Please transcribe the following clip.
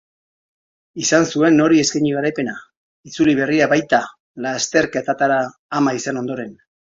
Izan zuen nori eskeini garaipena, itzuli berria baita lasterketatara ama izan ondoren.